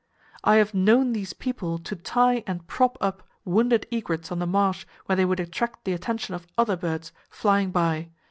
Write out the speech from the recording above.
I have known these people to tie and prop up wounded egrets on the marsh where they would attract the attention of other birds flying by.